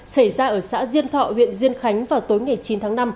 xảy ra ở xã diên thọ huyện diên khánh vào tối ngày chín tháng năm